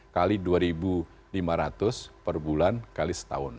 kali dua lima ratus per bulan kali setahun